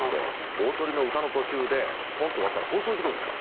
大トリの歌の途中でポンと終わったら放送事故ですよ。